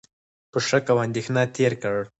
په شک او اندېښنه تېر کړ،